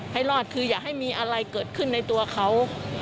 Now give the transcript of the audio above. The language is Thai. ให้รอดคืออย่าให้มีอะไรเกิดขึ้นในตัวเขา